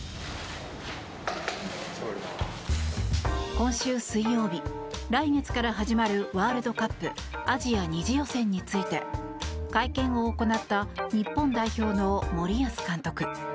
今週水曜日、来月から始まるワールドカップアジア２次予選について会見を行った日本代表の森保監督。